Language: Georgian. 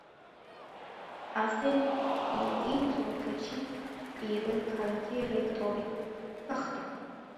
ასე, იგი თურქეთში პირველი ქალი რექტორი გახდა.